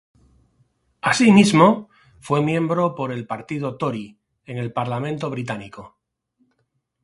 Así mismo, fue miembro por el partido Tory en el Parlamento Británico.